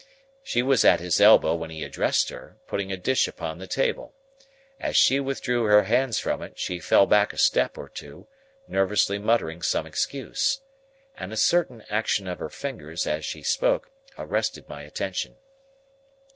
She was at his elbow when he addressed her, putting a dish upon the table. As she withdrew her hands from it, she fell back a step or two, nervously muttering some excuse. And a certain action of her fingers, as she spoke, arrested my attention.